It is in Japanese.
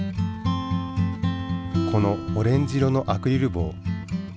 このオレンジ色のアクリル棒。